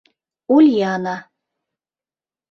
Ульяна...